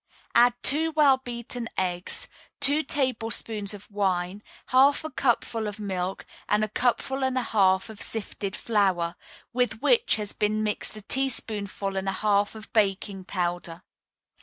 Add two well beaten eggs, two tablespoonfuls of wine, half a cupful of milk, and a cupful and a half of sifted flour, with which has been mixed a teaspoonful and a half of baking powder.